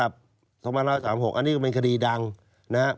อันนี้ก็เป็นคดีดังนะครับ